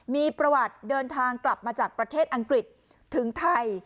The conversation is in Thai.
มีประวัติเดินทางกลับมาจากประเทศอังกฤษถึงไทย